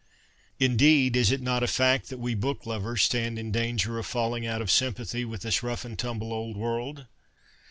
Indeed, is it not a fact that we book lovers stand in danger of falling out of sympathy with this rough and tumble old world